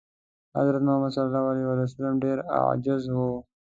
حضرت محمد ﷺ ډېر عاجز و.